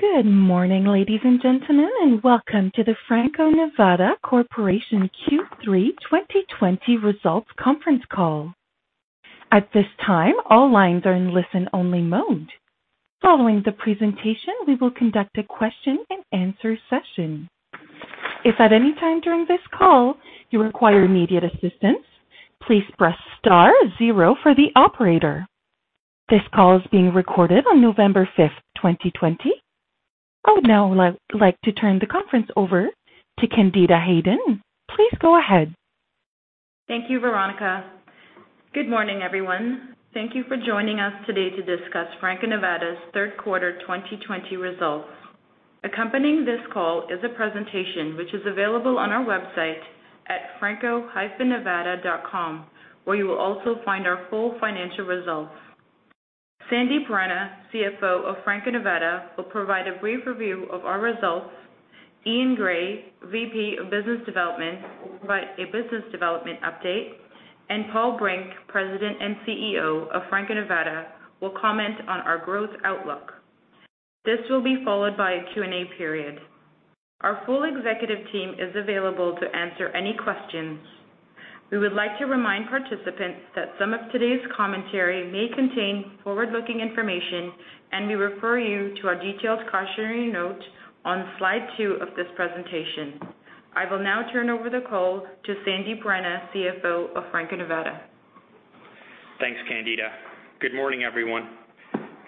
Good morning, ladies and gentlemen, and welcome to the Franco-Nevada Corporation Q3 2020 results conference call. At this time, all lines are in listen-only mode. Following the presentation, we will conduct a question and answer session. If at any time during this call you require immediate assistance, please press star zero for the operator. This call is being recorded on November 5th, 2020. I would now like to turn the conference over to Candida Hayden. Please go ahead. Thank you, Veronica. Good morning, everyone. Thank you for joining us today to discuss Franco-Nevada's third quarter 2020 results. Accompanying this call is a presentation which is available on our website at franco-nevada.com, where you will also find our full financial results. Sandip Rana, CFO of Franco-Nevada, will provide a brief review of our results. Eaun Gray, VP of Business Development, will provide a business development update, and Paul Brink, President and CEO of Franco-Nevada, will comment on our growth outlook. This will be followed by a Q&A period. Our full executive team is available to answer any questions. We would like to remind participants that some of today's commentary may contain forward-looking information, and we refer you to our detailed cautionary note on slide two of this presentation. I will now turn over the call to Sandip Rana, CFO of Franco-Nevada. Thanks, Candida. Good morning, everyone.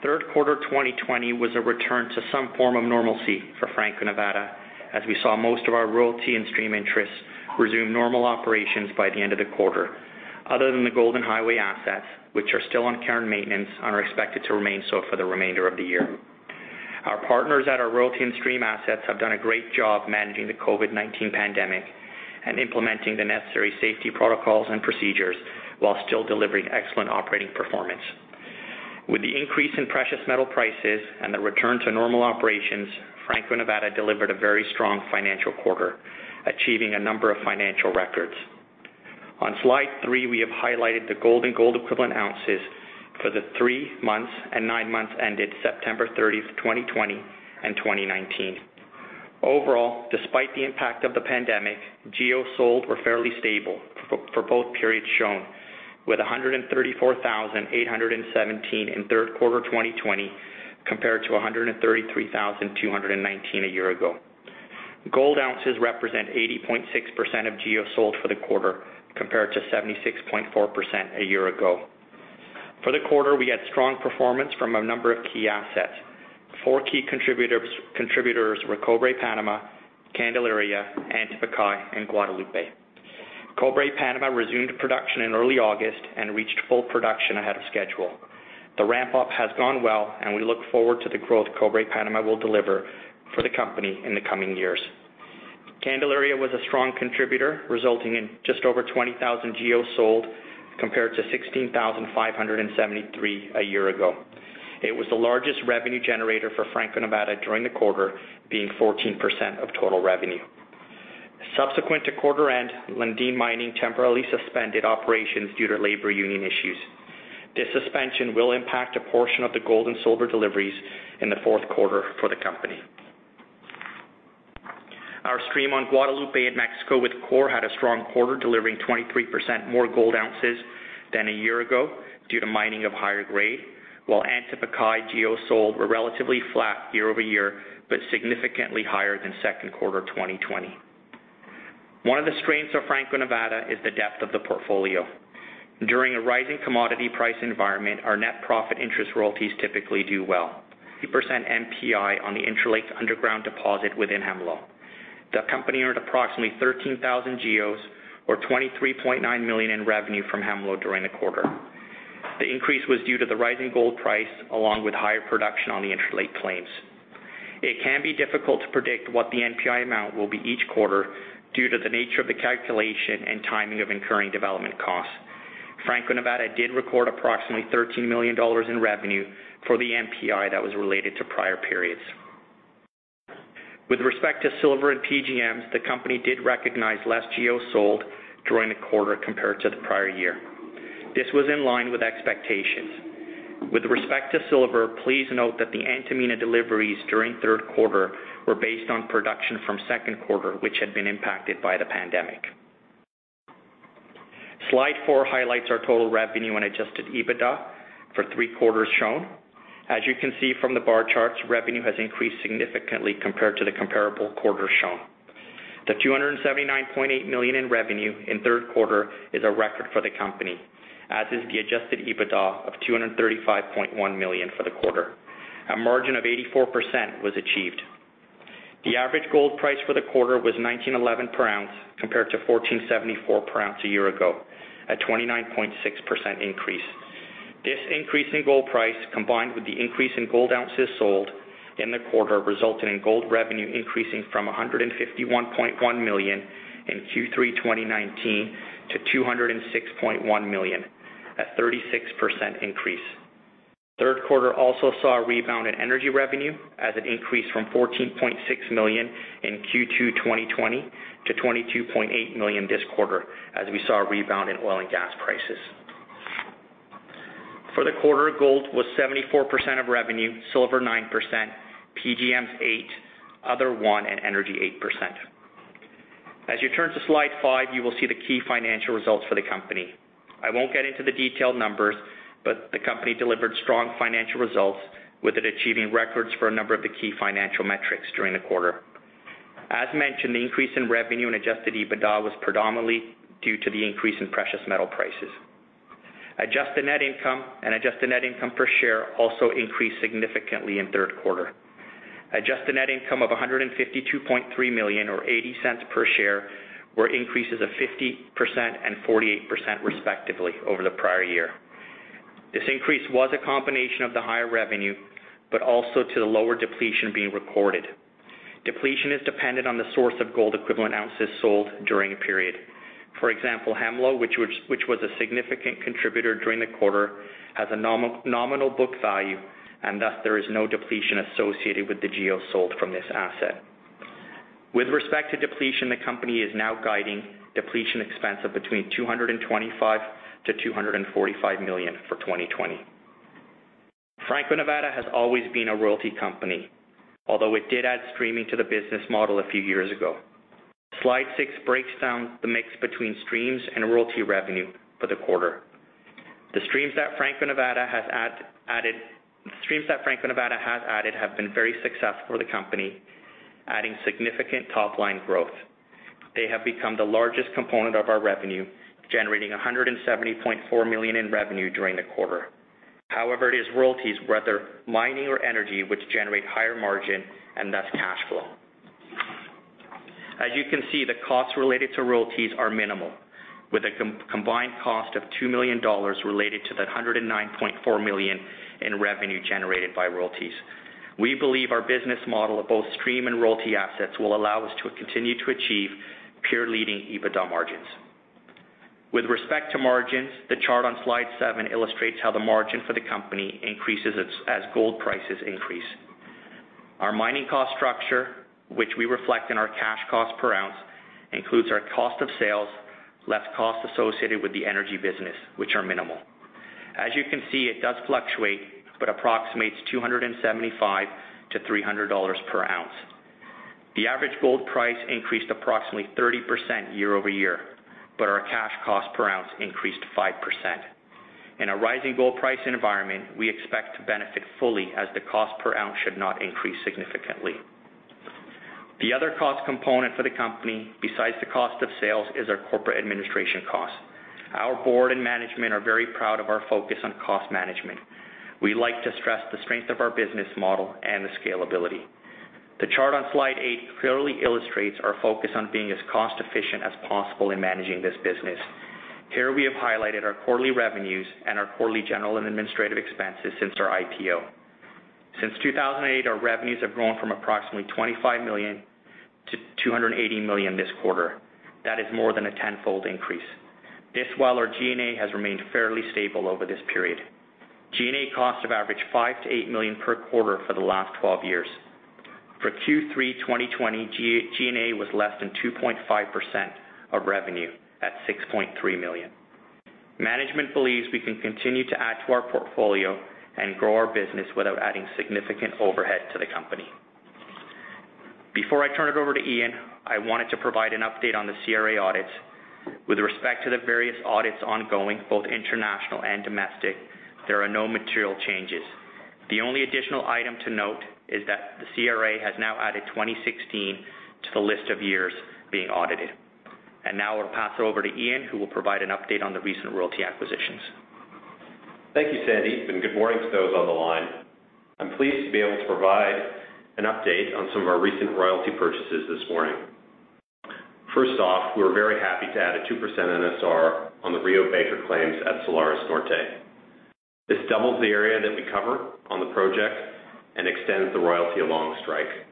Third quarter 2020 was a return to some form of normalcy for Franco-Nevada, as we saw most of our royalty and stream interests resume normal operations by the end of the quarter, other than the Golden Highway assets, which are still on care and maintenance and are expected to remain so for the remainder of the year. Our partners at our royalty and stream assets have done a great job managing the COVID-19 pandemic and implementing the necessary safety protocols and procedures while still delivering excellent operating performance. With the increase in precious metal prices and the return to normal operations, Franco-Nevada delivered a very strong financial quarter, achieving a number of financial records. On slide three, we have highlighted the gold and gold equivalent ounces for the three months and nine months ended September 30th, 2020 and 2019. Overall, despite the impact of the pandemic, GEOs sold were fairly stable for both periods shown, with 134,817 in third quarter 2020 compared to 133,219 a year ago. Gold ounces represent 80.6% of GEO sold for the quarter, compared to 76.4% a year ago. For the quarter, we had strong performance from a number of key assets. Four key contributors were Cobre Panama, Candelaria, Antapaccay, and Guadalupe. Cobre Panama resumed production in early August and reached full production ahead of schedule. The ramp-up has gone well, and we look forward to the growth Cobre Panama will deliver for the company in the coming years. Candelaria was a strong contributor, resulting in just over 20,000 GEOs sold, compared to 16,573 a year ago. It was the largest revenue generator for Franco-Nevada during the quarter, being 14% of total revenue. Subsequent to quarter end, Lundin Mining temporarily suspended operations due to labor union issues. This suspension will impact a portion of the gold and silver deliveries in the fourth quarter for the company. Our stream on Guadalupe in Mexico with Coeur Mining had a strong quarter, delivering 23% more gold ounces than a year ago due to mining of higher grade, while Antapaccay GEOs sold were relatively flat year-over-year, but significantly higher than second quarter 2020. One of the strengths of Franco-Nevada is the depth of the portfolio. During a rising commodity price environment, our net profit interest royalties typically do well. Percent NPI on the Interlake underground deposit within Hemlo. The company earned approximately 13,000 GEOs or 23.9 million in revenue from Hemlo during the quarter. The increase was due to the rising gold price, along with higher production on the Interlake claims. It can be difficult to predict what the NPI amount will be each quarter due to the nature of the calculation and timing of incurring development costs. Franco-Nevada did record approximately 13 million dollars in revenue for the NPI that was related to prior periods. With respect to silver and PGMs, the company did recognize less GEOs sold during the quarter compared to the prior year. This was in line with expectations. With respect to silver, please note that the Antamina deliveries during the third quarter were based on production from the second quarter, which had been impacted by the pandemic. Slide four highlights our total revenue and adjusted EBITDA for three quarters shown. You can see from the bar charts, revenue has increased significantly compared to the comparable quarter shown. The $279.8 million in revenue in the third quarter is a record for the company, as is the adjusted EBITDA of $235.1 million for the quarter. A margin of 84% was achieved. The average gold price for the quarter was $1,911 per ounce, compared to $1,474 per ounce a year ago, a 29.6% increase. This increase in gold price, combined with the increase in gold ounces sold in the quarter, resulted in gold revenue increasing from $151.1 million in Q3 2019 to $206.1 million, a 36% increase. Third quarter also saw a rebound in energy revenue as it increased from $14.6 million in Q2 2020 to $22.8 million this quarter as we saw a rebound in oil and gas prices. For the quarter, gold was 74% of revenue, silver 9%, PGMs 8%, other 1%, and energy 8%. As you turn to slide five, you will see the key financial results for the company. I won't get into the detailed numbers, but the company delivered strong financial results, with it achieving records for a number of the key financial metrics during the quarter. As mentioned, the increase in revenue and adjusted EBITDA was predominantly due to the increase in precious metal prices. Adjusted net income and adjusted net income per share also increased significantly in the third quarter. Adjusted net income of 152.3 million or 0.80 per share were increases of 50% and 48%, respectively, over the prior year. This increase was a combination of the higher revenue, but also to the lower depletion being recorded. Depletion is dependent on the source of Gold Equivalent Ounces sold during a period. For example, Hemlo, which was a significant contributor during the quarter, has a nominal book value, and thus, there is no depletion associated with the GEOs sold from this asset. With respect to depletion, the company is now guiding depletion expense of between 225 million to 245 million for 2020. Franco-Nevada has always been a royalty company, although it did add streaming to the business model a few years ago. Slide six breaks down the mix between streams and royalty revenue for the quarter. The streams that Franco-Nevada has added have been very successful for the company, adding significant top-line growth. They have become the largest component of our revenue, generating 170.4 million in revenue during the quarter. It is royalties, whether mining or energy, which generate higher margin and thus cash flow. As you can see, the costs related to royalties are minimal, with a combined cost of 2 million dollars related to the 109.4 million in revenue generated by royalties. We believe our business model of both stream and royalty assets will allow us to continue to achieve peer-leading EBITDA margins. With respect to margins, the chart on slide seven illustrates how the margin for the company increases as gold prices increase. Our mining cost structure, which we reflect in our cash cost per ounce, includes our cost of sales less costs associated with the energy business, which are minimal. As you can see, it does fluctuate, but approximates 275-300 dollars per ounce. The average gold price increased approximately 30% year-over-year, but our cash cost per ounce increased 5%. In a rising gold price environment, we expect to benefit fully as the cost per ounce should not increase significantly. The other cost component for the company, besides the cost of sales, is our corporate administration cost. Our board and management are very proud of our focus on cost management. We like to stress the strength of our business model and the scalability. The chart on slide eight clearly illustrates our focus on being as cost-efficient as possible in managing this business. Here, we have highlighted our quarterly revenues and our quarterly general and administrative expenses since our IPO. Since 2008, our revenues have grown from approximately 25 million to 280 million this quarter. That is more than a tenfold increase. This, while our G&A has remained fairly stable over this period. G&A costs have averaged 5 million-8 million per quarter for the last 12 years. For Q3 2020, G&A was less than 2.5% of revenue at 6.3 million. Management believes we can continue to add to our portfolio and grow our business without adding significant overhead to the company. Before I turn it over to Eaun, I wanted to provide an update on the CRA audits. With respect to the various audits ongoing, both international and domestic, there are no material changes. The only additional item to note is that the CRA has now added 2016 to the list of years being audited. Now I'll pass it over to Eaun, who will provide an update on the recent royalty acquisitions. Thank you, Sandip, and good morning to those on the line. I'm pleased to be able to provide an update on some of our recent royalty purchases this morning. First off, we were very happy to add a 2% NSR on the Rio Baker claims at Salares Norte. This doubles the area that we cover on the project and extends the royalty along strike.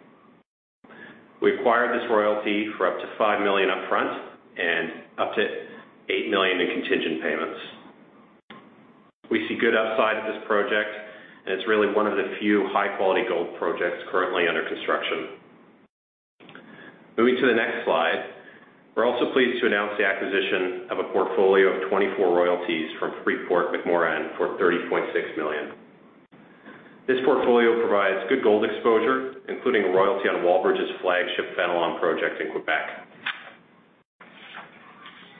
We acquired this royalty for up to 5 million upfront and up to 8 million in contingent payments. We see good upside of this project, and it's really one of the few high-quality gold projects currently under construction. Moving to the next slide. We're also pleased to announce the acquisition of a portfolio of 24 royalties from Freeport-McMoRan for 30.6 million. This portfolio provides good gold exposure, including a royalty on Wallbridge's flagship Fenelon project in Quebec.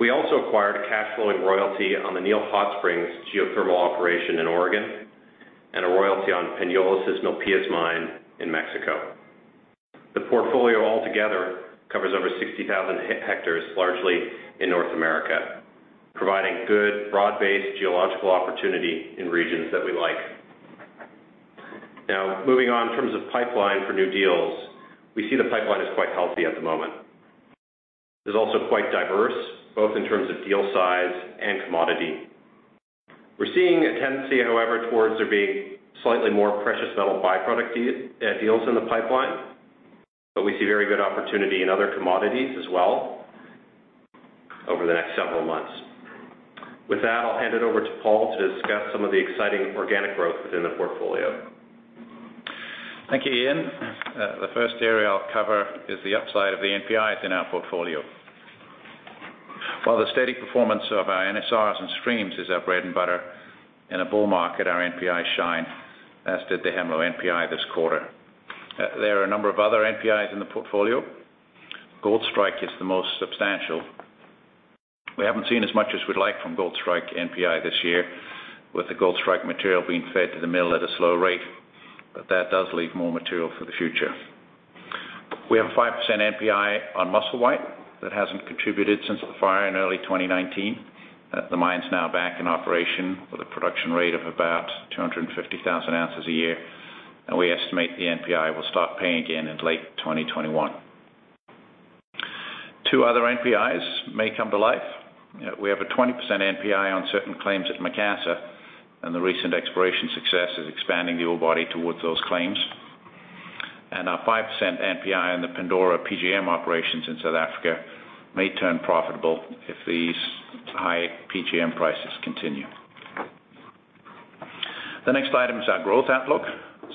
We also acquired a cash flowing royalty on the Neal Hot Springs geothermal operation in Oregon and a royalty on Peñoles' Milpillas mine in Mexico. The portfolio altogether covers over 60,000 hectares, largely in North America, providing good, broad-based geological opportunity in regions that we like. Now, moving on in terms of pipeline for new deals, we see the pipeline is quite healthy at the moment. It's also quite diverse, both in terms of deal size and commodity. We're seeing a tendency, however, towards there being slightly more precious metal byproducts deals in the pipeline, but we see very good opportunity in other commodities as well over the next several months. With that, I'll hand it over to Paul to discuss some of the exciting organic growth within the portfolio. Thank you, Eaun. The first area I'll cover is the upside of the NPIs in our portfolio. While the steady performance of our NSRs and streams is our bread and butter, in a bull market, our NPIs shine, as did the Hemlo NPI this quarter. There are a number of other NPIs in the portfolio. Goldstrike is the most substantial. We haven't seen as much as we'd like from Goldstrike NPI this year, with the Goldstrike material being fed to the mill at a slow rate. That does leave more material for the future. We have a 5% NPI on Musselwhite that hasn't contributed since the fire in early 2019. The mine's now back in operation with a production rate of about 250,000 ounces a year. We estimate the NPI will start paying again in late 2021. 2 other NPIs may come to life. We have a 20% NPI on certain claims at Macassa, and the recent exploration success is expanding the ore body towards those claims. Our 5% NPI on the Pandora PGM operations in South Africa may turn profitable if these high PGM prices continue. The next item is our growth outlook.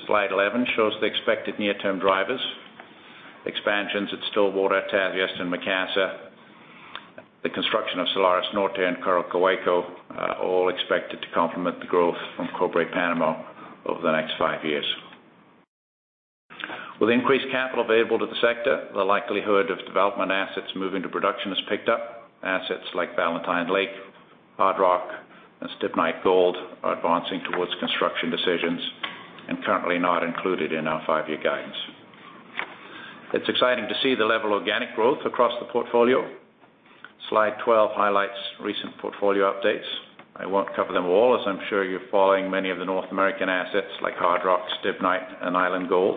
Slide 11 shows the expected near-term drivers. Expansions at Stillwater, Tasiast, and Macassa, the construction of Salares Norte and Cobre Panama are all expected to complement the growth from Cobre Panama over the next five years. With increased capital available to the sector, the likelihood of development assets moving to production has picked up. Assets like Valentine Lake, Hardrock, and Stibnite Gold are advancing towards construction decisions and currently not included in our five-year guidance. It's exciting to see the level of organic growth across the portfolio. Slide 12 highlights recent portfolio updates. I won't cover them all, as I'm sure you're following many of the North American assets like Hardrock, Stibnite, and Island Gold.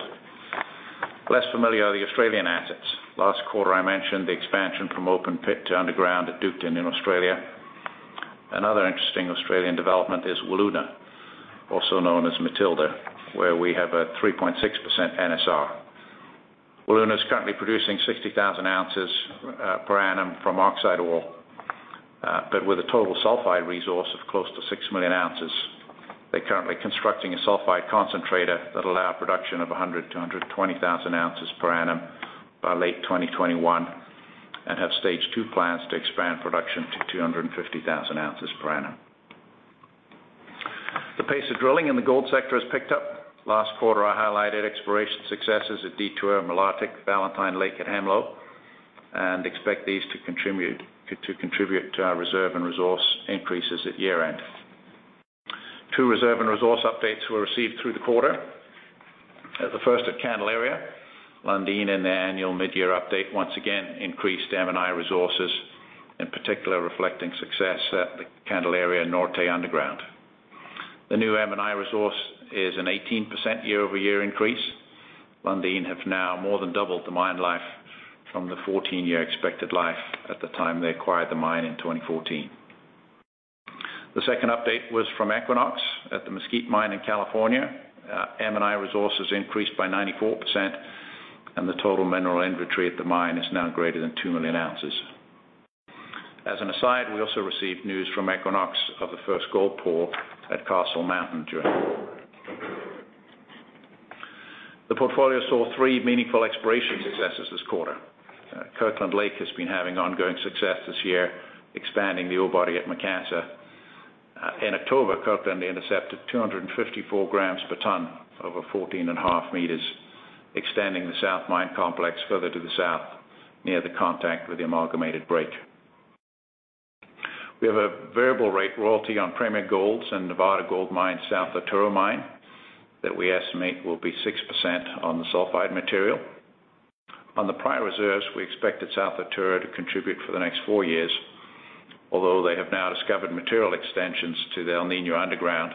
Less familiar are the Australian assets. Last quarter, I mentioned the expansion from open pit to underground at Duketon in Australia. Another interesting Australian development is Wiluna, also known as Matilda, where we have a 3.6% NSR. Wiluna is currently producing 60,000 ounces per annum from oxide ore, but with a total sulfide resource of close to 6 million ounces. They're currently constructing a sulfide concentrator that'll allow production of 100,000-120,000 ounces per annum by late 2021 and have stage 2 plans to expand production to 250,000 ounces per annum. The pace of drilling in the gold sector has picked up. Last quarter, I highlighted exploration successes at Detour, Malartic, Valentine Lake, and Hemlo, and expect these to contribute to our reserve and resource increases at year-end. Two reserve and resource updates were received through the quarter. The first at Candelaria. Lundin in their annual mid-year update, once again increased M&I resources, in particular reflecting success at the Candelaria Norte underground. The new M&I resource is an 18% year-over-year increase. Lundin have now more than doubled the mine life from the 14-year expected life at the time they acquired the mine in 2014. The second update was from Equinox at the Mesquite Mine in California. M&I resources increased by 94%, and the total mineral inventory at the mine is now greater than 2 million ounces. As an aside, we also received news from Equinox of the first gold pour at Castle Mountain during the quarter. The portfolio saw three meaningful exploration successes this quarter. Kirkland Lake has been having ongoing success this year, expanding the ore body at Macassa. In October, Kirkland intercepted 254 grams per tonne over 14 and a half meters, extending the south mine complex further to the south, near the contact with the Amalgamated Break. We have a variable rate royalty on Premier Gold's and Nevada Gold Mine's South Arturo mine that we estimate will be 6% on the sulfide material. On the prior reserves, we expected South Arturo to contribute for the next four years, although they have now discovered material extensions to the El Niño underground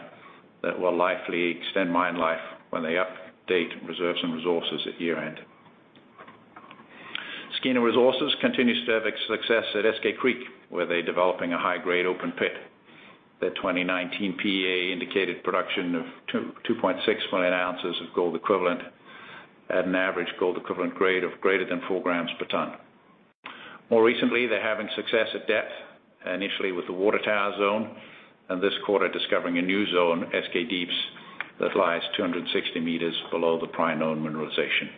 that will likely extend mine life when they update reserves and resources at year-end. Skeena Resources continues to have success at Eskay Creek, where they're developing a high-grade open pit. Their 2019 PEA indicated production of 2.6 million ounces of gold equivalent at an average gold equivalent grade of greater than 4 grams per tonne. More recently, they're having success at depth, initially with the Water Tower zone, and this quarter, discovering a new zone, Eskay Deeps, that lies 260 meters below the prior known mineralization.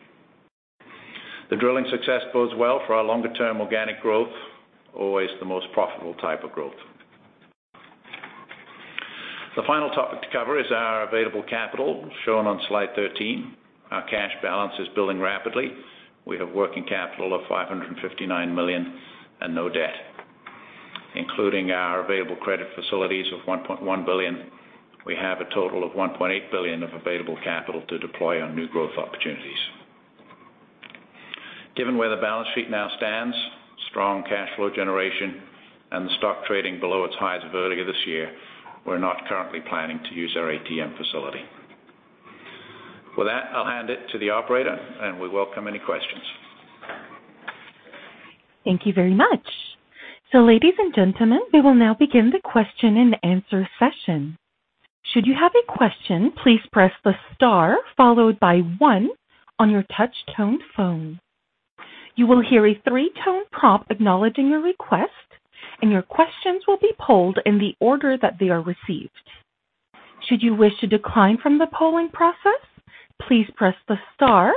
The drilling success bodes well for our longer-term organic growth, always the most profitable type of growth. The final topic to cover is our available capital, shown on slide 13. Our cash balance is building rapidly. We have working capital of 559 million and no debt. Including our available credit facilities of 1.1 billion, we have a total of 1.8 billion of available capital to deploy on new growth opportunities. Given where the balance sheet now stands, strong cash flow generation, and the stock trading below its highs earlier this year, we're not currently planning to use our ATM facility. With that, I'll hand it to the operator, and we welcome any questions. Thank you very much. Ladies and gentlemen, we will now begin the question-and-answer session. Should you have a question, please press the star followed by one on your touch tone phone. You will hear a three-tone prompt acknowledging your request, and your questions will be polled in the order that they are received. Should you wish to decline from the polling process, please press the star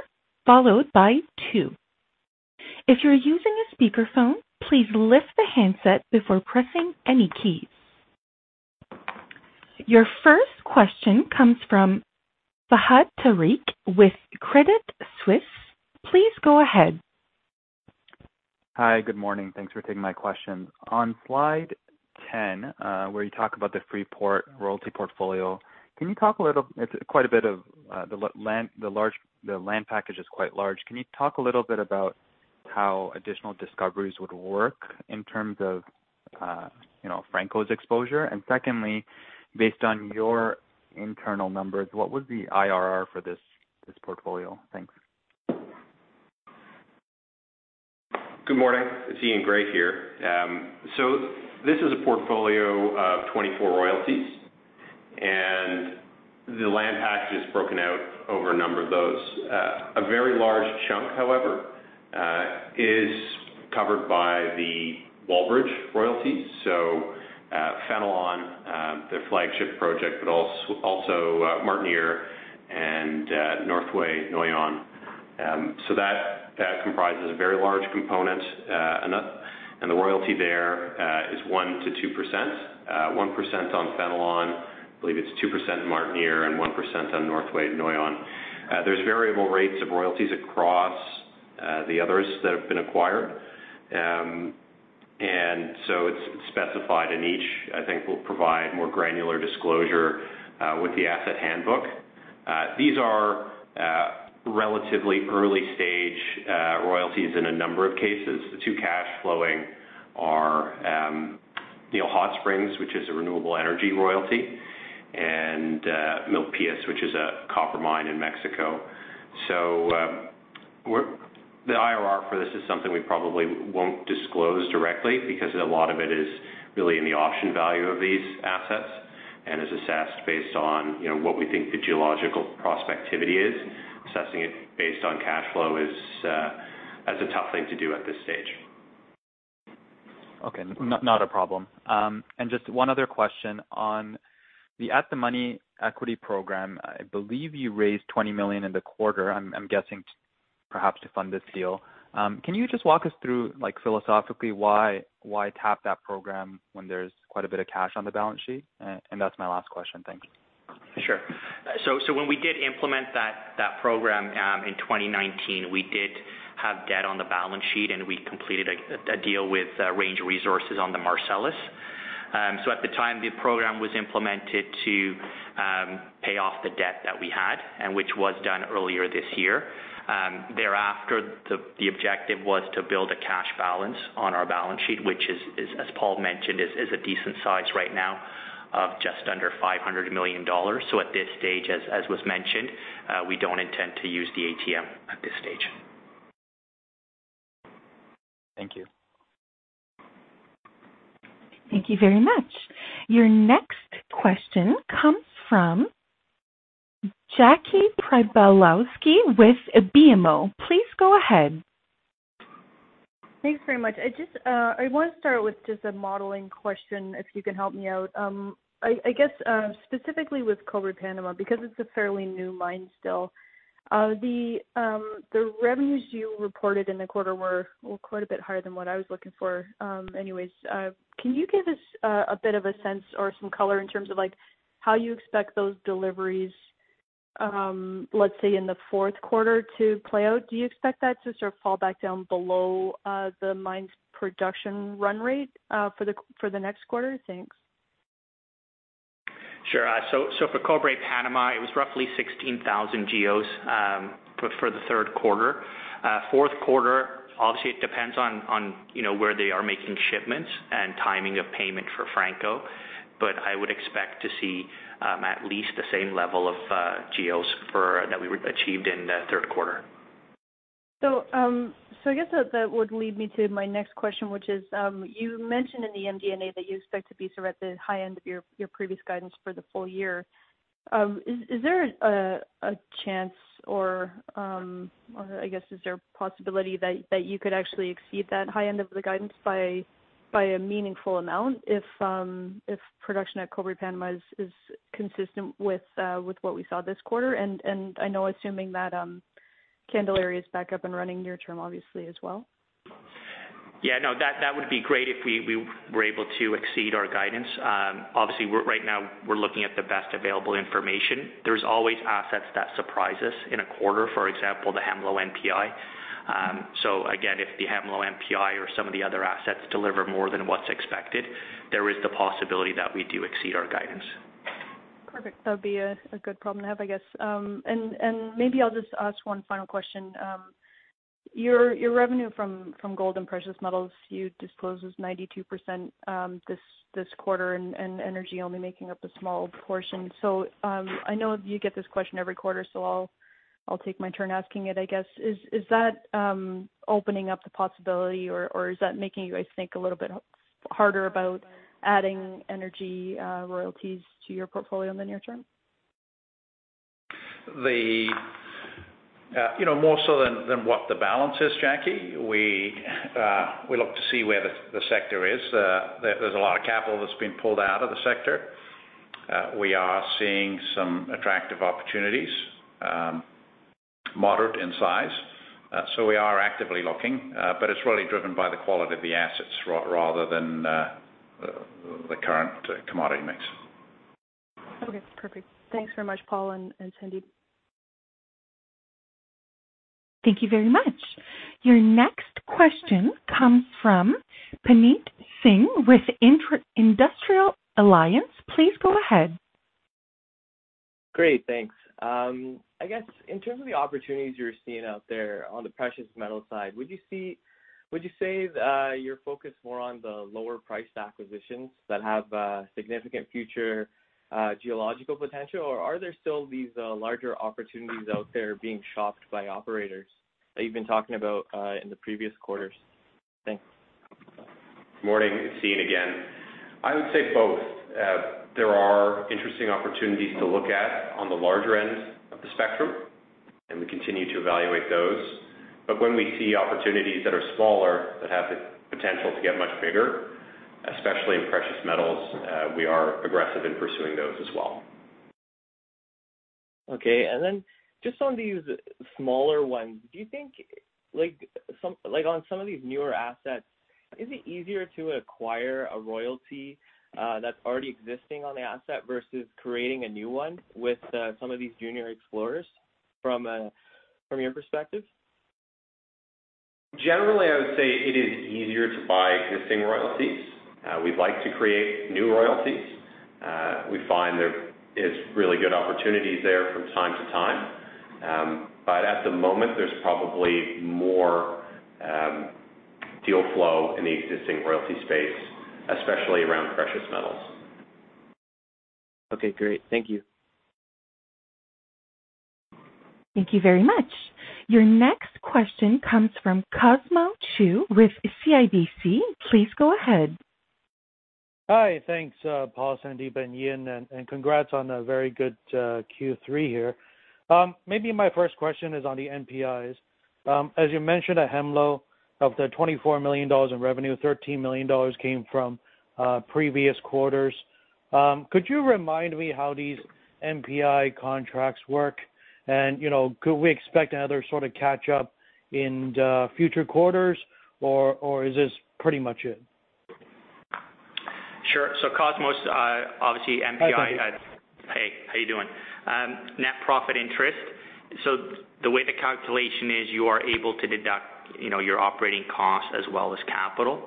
followed by two. If you're using a speakerphone, please lift the handset before pressing any keys. Your first question comes from Fahad Tariq with Credit Suisse. Please go ahead. Hi. Good morning. Thanks for taking my question. On slide 10, where you talk about the Freeport royalty portfolio, the land package is quite large. Can you talk a little bit about how additional discoveries would work in terms of Franco's exposure? Secondly, based on your internal numbers, what would be IRR for this portfolio? Thanks. Good morning. It's Eaun Gray here. This is a portfolio of 24 royalties, and the land package is broken out over a number of those. A very large chunk, however, is covered by the Wallbridge royalty. Fenelon, their flagship project, but also Martiniere and Northway-Noyen. That comprises a very large component, and the royalty there is 1%-2%. 1% on Fenelon, I believe it's 2% Martiniere and 1% on Northway-Noyen. There's variable rates of royalties across the others that have been acquired. It's specified in each. I think we'll provide more granular disclosure with the asset handbook. These are relatively early-stage royalties in a number of cases. The two cash flowing are Neal Hot Springs, which is a renewable energy royalty, and Milpillas, which is a copper mine in Mexico. The IRR for this is something we probably won't disclose directly because a lot of it is really in the option value of these assets and is assessed based on what we think the geological prospectivity is. Assessing it based on cash flow, that's a tough thing to do at this stage. Okay. Not a problem. Just one other question on the At the Money equity program. I believe you raised 20 million in the quarter, I'm guessing perhaps to fund this deal. Can you just walk us through, philosophically, why tap that program when there's quite a bit of cash on the balance sheet? That's my last question. Thank you. Sure. When we did implement that program in 2019, we did have debt on the balance sheet, and we completed a deal with Range Resources on the Marcellus. At the time, the program was implemented to pay off the debt that we had, and which was done earlier this year. Thereafter, the objective was to build a cash balance on our balance sheet, which, as Paul mentioned, is a decent size right now of just under 500 million dollars. At this stage, as was mentioned, we don't intend to use the ATM at this stage. Thank you. Thank you very much. Your next question comes from Jackie Przybylowski with BMO. Please go ahead. Thanks very much. I want to start with just a modeling question, if you can help me out. I guess, specifically with Cobre Panama, because it's a fairly new mine still. The revenues you reported in the quarter were quite a bit higher than what I was looking for. Anyways, can you give us a bit of a sense or some color in terms of how you expect those deliveries, let's say in the fourth quarter, to play out? Do you expect that to sort of fall back down below the mine's production run rate for the next quarter? Thanks. Sure. For Cobre Panama, it was roughly 16,000 GEOs for the third quarter. Fourth quarter, obviously, it depends on where they are making shipments and timing of payment for Franco-Nevada, but I would expect to see at least the same level of GEOs that we achieved in the third quarter. I guess that would lead me to my next question, which is, you mentioned in the MD&A that you expect to be sort of at the high end of your previous guidance for the full year. Is there a chance or, I guess is there a possibility that you could actually exceed that high end of the guidance by a meaningful amount if production at Cobre Panama is consistent with what we saw this quarter? I know assuming that Candelaria is back up and running near-term obviously as well. Yeah, no, that would be great if we were able to exceed our guidance. Obviously, right now we are looking at the best available information. There is always assets that surprise us in a quarter, for example, the Hemlo NPI. Again, if the Hemlo NPI or some of the other assets deliver more than what is expected, there is the possibility that we do exceed our guidance. Perfect. That'd be a good problem to have, I guess. Maybe I'll just ask one final question. Your revenue from gold and precious metals, you disclosed was 92% this quarter, and energy only making up a small portion. I know you get this question every quarter, so I'll take my turn asking it, I guess. Is that opening up the possibility, or is that making you guys think a little bit harder about adding energy royalties to your portfolio in the near term? More so than what the balance is, Jackie, we look to see where the sector is. There's a lot of capital that's been pulled out of the sector. We are seeing some attractive opportunities, moderate in size. We are actively looking, but it's really driven by the quality of the assets rather than the current commodity mix. Okay, perfect. Thanks very much, Paul and Sandip. Thank you very much. Your next question comes from Puneet Singh with Industrial Alliance. Please go ahead. Great. Thanks. I guess in terms of the opportunities you're seeing out there on the precious metal side, would you say that you're focused more on the lower priced acquisitions that have significant future geological potential, or are there still these larger opportunities out there being shopped by operators that you've been talking about in the previous quarters? Thanks. Morning, Puneet, again. I would say both. There are interesting opportunities to look at on the larger end of the spectrum, and we continue to evaluate those. When we see opportunities that are smaller that have the potential to get much bigger, especially in precious metals, we are aggressive in pursuing those as well. Just on these smaller ones, do you think on some of these newer assets, is it easier to acquire a royalty that's already existing on the asset versus creating a new one with some of these junior explorers from your perspective? Generally, I would say it is easier to buy existing royalties. We'd like to create new royalties. We find there is really good opportunities there from time to time. At the moment, there's probably more deal flow in the existing royalty space, especially around precious metals. Okay, great. Thank you. Thank you very much. Your next question comes from Cosmos Chiu with CIBC. Please go ahead. Hi. Thanks, Paul, Sandip, and Eaun, and congrats on a very good Q3 here. Maybe my first question is on the NPIs. As you mentioned at Hemlo, of the 24 million dollars in revenue, 13 million dollars came from previous quarters. Could you remind me how these NPI contracts work? Could we expect another sort of catch up in the future quarters, or is this pretty much it? Sure. Cosmos, obviously NPI. Hi, Paul. Hey, how you doing? Net profit interest. The way the calculation is, you are able to deduct your operating cost as well as capital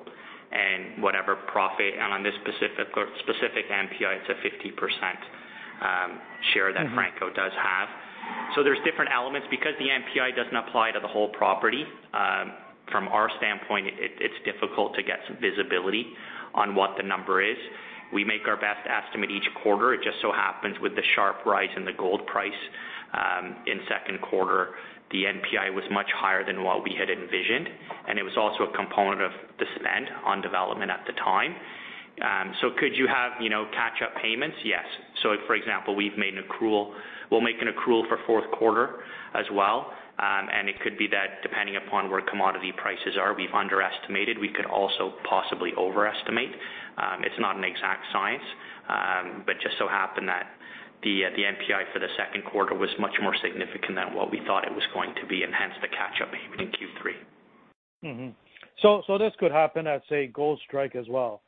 and whatever profit. On this specific NPI, it's a 50% share that Franco does have. There's different elements because the NPI doesn't apply to the whole property. From our standpoint, it's difficult to get some visibility on what the number is. We make our best estimate each quarter. It just so happens with the sharp rise in the gold price in second quarter, the NPI was much higher than what we had envisioned, and it was also a component of the spend on development at the time. Could you have catch-up payments? Yes. For example, we'll make an accrual for fourth quarter as well, and it could be that depending upon where commodity prices are, we've underestimated. We could also possibly overestimate. It is not an exact science. Just so happened that the NPI for the second quarter was much more significant than what we thought it was going to be, and hence the catch-up payment in Q3. This could happen at, say, Goldstrike as well.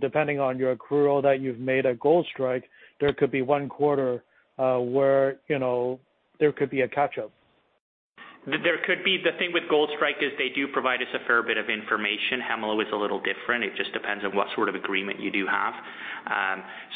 Depending on your accrual that you've made at Goldstrike, there could be one quarter where there could be a catch-up. There could be. The thing with Goldstrike is they do provide us a fair bit of information. Hemlo is a little different. It just depends on what sort of agreement you do have.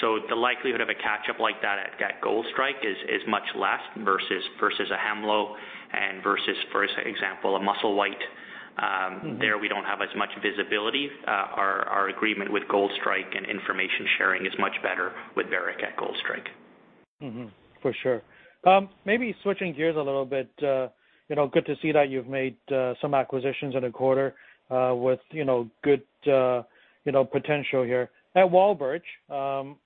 The likelihood of a catch-up like that at Goldstrike is much less versus a Hemlo and versus, for example, a Musselwhite. There we don't have as much visibility. Our agreement with Goldstrike and information sharing is much better with Barrick at Goldstrike. For sure. Maybe switching gears a little bit, good to see that you've made some acquisitions in a quarter with good potential here. At Wallbridge,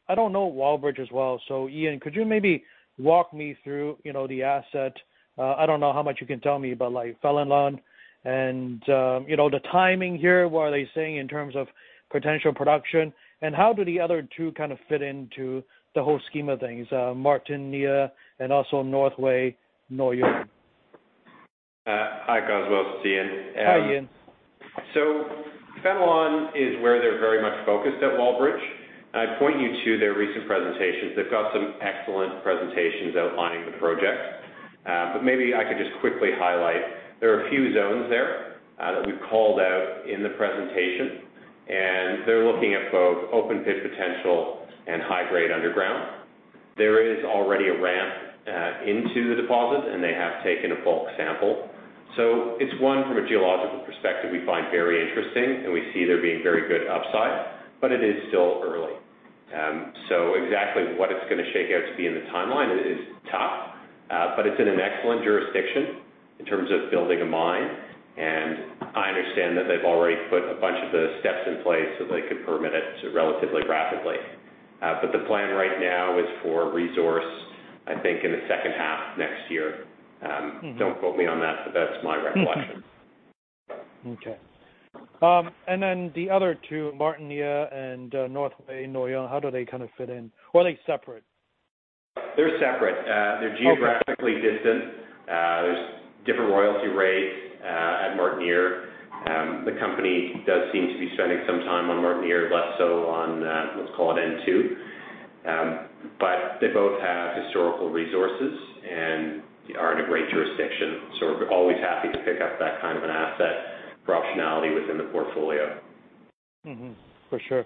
I don't know Wallbridge as well. Eaun, could you maybe walk me through the asset? I don't know how much you can tell me about Fenelon and the timing here. What are they saying in terms of potential production, how do the other two kind of fit into the whole scheme of things, Martiniere and also Northway-Noyen? Hi, Cosmos. It's Eaun. Hi, Eaun. Fenelon is where they're very much focused at Wallbridge. I'd point you to their recent presentations. They've got some excellent presentations outlining the project. Maybe I could just quickly highlight, there are a few zones there that we've called out in the presentation, and they're looking at both open pit potential and high grade underground. There is already a ramp into the deposit, and they have taken a bulk sample. It's one from a geological perspective we find very interesting, and we see there being very good upside, but it is still early. Exactly what it's going to shake out to be in the timeline is tough. It's in an excellent jurisdiction. In terms of building a mine, and I understand that they've already put a bunch of the steps in place so they could permit it relatively rapidly. The plan right now is for resource, I think, in the second half of next year. Don't quote me on that, but that's my recollection. Okay. The other two, Martiniere and Northway, how do they fit in? Are they separate? They're separate. They're geographically distant. There's different royalty rates at Martiniere. The company does seem to be spending some time on Martiniere, less so on, let's call it Northway-Noyen. They both have historical resources and are in a great jurisdiction. We're always happy to pick up that kind of an asset for optionality within the portfolio. Mm-hmm. For sure.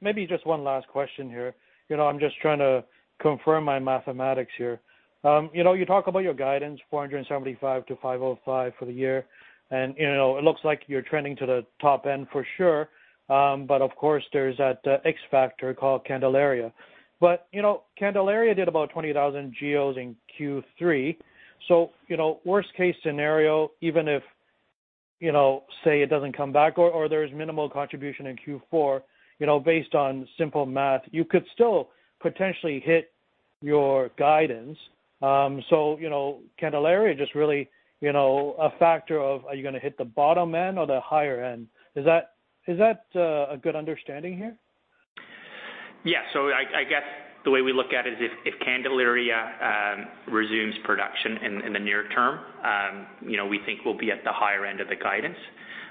Maybe just one last question here. I'm just trying to confirm my mathematics here. You talk about your guidance, 475 to 505 for the year, and it looks like you're trending to the top end for sure. Of course, there's that X factor called Candelaria. Candelaria did about 20,000 GEOs in Q3. Worst case scenario, even if, say it doesn't come back or there's minimal contribution in Q4, based on simple math, you could still potentially hit your guidance. Candelaria just really a factor of, are you going to hit the bottom end or the higher end? Is that a good understanding here? Yeah. I guess the way we look at it is if Candelaria resumes production in the near term, we think we'll be at the higher end of the guidance.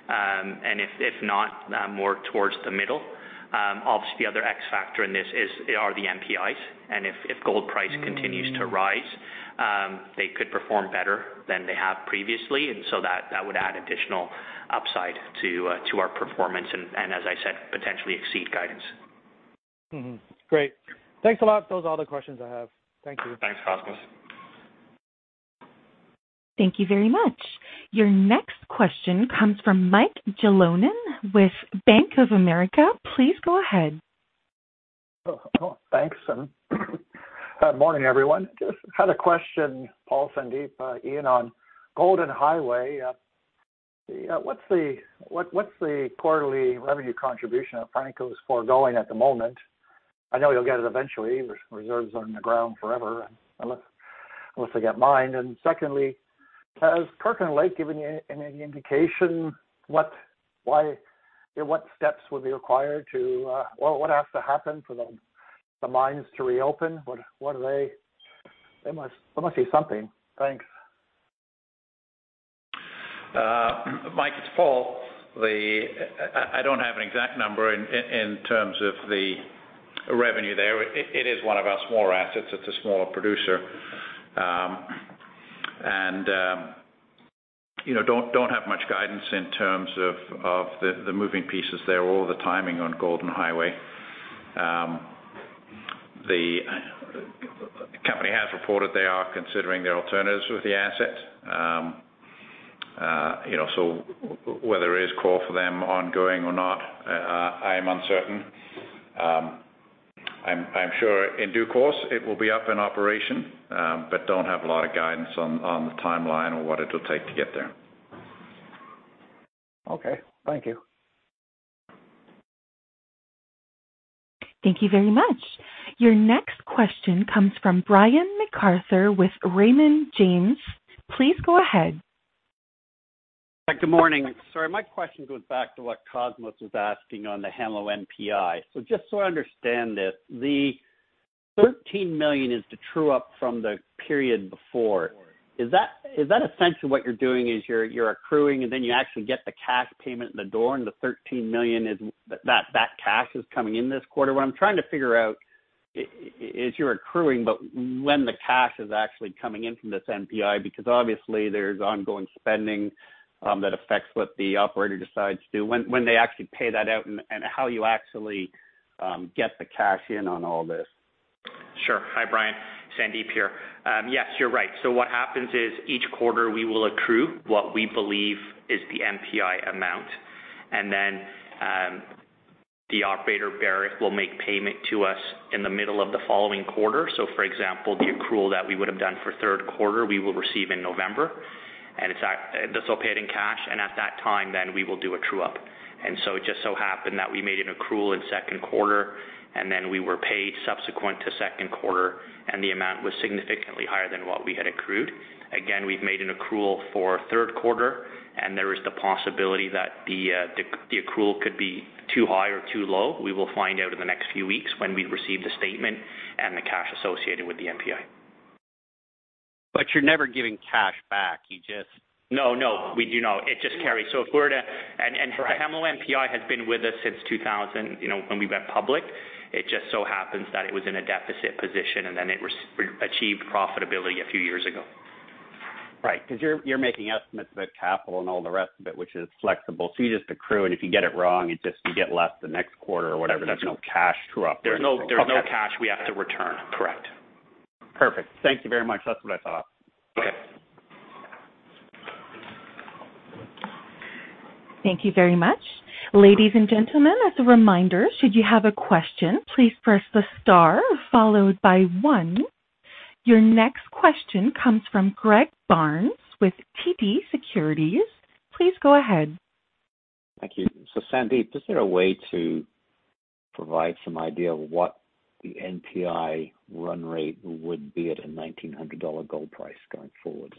If not, more towards the middle. Obviously, the other X factor in this are the NPIs. If gold price continues to rise, they could perform better than they have previously. That would add additional upside to our performance and, as I said, potentially exceed guidance. Great. Thanks a lot. Those are all the questions I have. Thank you. Thanks, Cosmos. Thank you very much. Your next question comes from Michael Jalonen with Bank of America. Please go ahead. Thanks. Good morning, everyone. Just had a question, Paul, Sandip, Eaun, on Golden Highway. What's the quarterly revenue contribution that Franco's forgoing at the moment? I know you'll get it eventually, reserves are in the ground forever, unless they get mined. Secondly, has Kirkland Lake given you any indication what steps or what has to happen for the mines to reopen? They must say something. Thanks. Mike, it's Paul. I don't have an exact number in terms of the revenue there. It is one of our smaller assets. It's a smaller producer. I don't have much guidance in terms of the moving pieces there or the timing on Golden Highway. The company has reported they are considering their alternatives with the asset. Whether it is core for them ongoing or not, I am uncertain. I'm sure in due course it will be up in operation, but don't have a lot of guidance on the timeline or what it'll take to get there. Okay. Thank you. Thank you very much. Your next question comes from Brian MacArthur with Raymond James. Please go ahead. Good morning. Sorry, my question goes back to what Cosmos was asking on the Hemlo NPI. Just so I understand this, the 13 million is the true-up from the period before. Is that essentially what you're doing is you're accruing and then you actually get the cash payment in the door and the 13 million is, that cash is coming in this quarter? What I'm trying to figure out is you're accruing, but when the cash is actually coming in from this NPI, because obviously there's ongoing spending that affects what the operator decides to do, when they actually pay that out and how you actually get the cash in on all this. Sure. Hi, Brian. Sandip here. Yes, you're right. What happens is each quarter we will accrue what we believe is the NPI amount. The operator, Barrick, will make payment to us in the middle of the following quarter. For example, the accrual that we would have done for third quarter, we will receive in November. This will pay it in cash, and at that time, then we will do a true-up. It just so happened that we made an accrual in second quarter, and then we were paid subsequent to second quarter, and the amount was significantly higher than what we had accrued. Again, we've made an accrual for third quarter, and there is the possibility that the accrual could be too high or too low. We will find out in the next few weeks when we receive the statement and the cash associated with the NPI. You're never giving cash back, you just. No, no. We do not. It just carries. The Hemlo NPI has been with us since 2000, when we went public. It just so happens that it was in a deficit position, and then it achieved profitability a few years ago. Right. You're making estimates about capital and all the rest of it, which is flexible. You just accrue, and if you get it wrong, you get less the next quarter or whatever. There's no cash true-up. There's no cash we have to return. Correct. Perfect. Thank you very much. That's what I thought. Okay. Thank you very much. Ladies and gentlemen, as a reminder, should you have a question, please press the star followed by one. Your next question comes from Greg Barnes with TD Securities. Please go ahead. Thank you. Sandip, is there a way to provide some idea of what the NPI run rate would be at a $1,900 gold price going forward?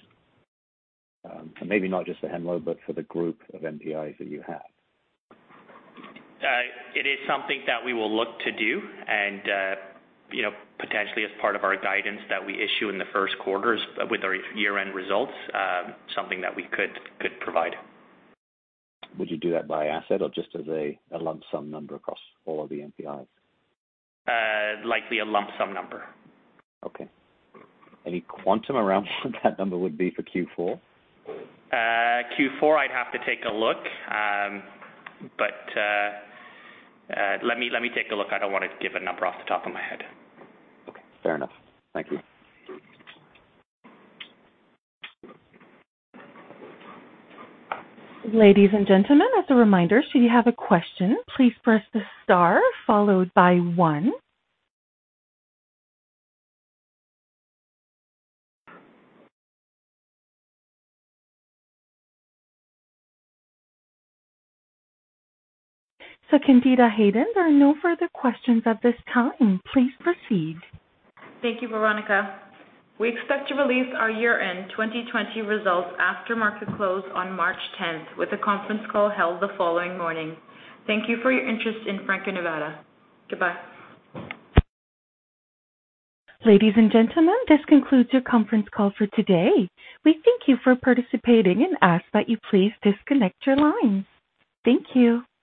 Maybe not just for Hemlo, but for the group of NPIs that you have. It is something that we will look to do, and potentially as part of our guidance that we issue in the first quarters with our year-end results, something that we could provide. Would you do that by asset or just as a lump sum number across all of the NPIs? Likely a lump sum number. Okay. Any quantum around what that number would be for Q4? Q4, I'd have to take a look. Let me take a look. I don't want to give a number off the top of my head. Okay, fair enough. Thank you. Ladies and gentlemen, as a reminder, should you have a question, please press the star followed by one. Candida Hayden, there are no further questions at this time. Please proceed. Thank you, Veronica. We expect to release our year-end 2020 results after market close on March 10th, with a conference call held the following morning. Thank you for your interest in Franco-Nevada. Goodbye. Ladies and gentlemen, this concludes your conference call for today. We thank you for participating and ask that you please disconnect your lines. Thank you.